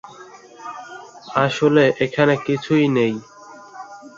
বাংলাদেশের পক্ষে, group captain A K Khandakar আত্মসমর্পণের সাক্ষী হিসাবে উপস্থিত ছিলেন।